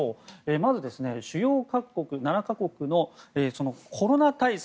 まず、主要各国７か国のコロナ対策